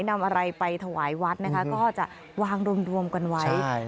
นำอะไรไปถวายวัดนะคะก็จะวางรวมกันไว้